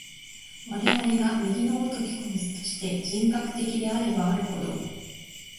我々が右の如き個物として、人格的であればあるほど、